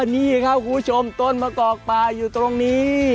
นี่ครับคุณผู้ชมต้นมะกอกปลาอยู่ตรงนี้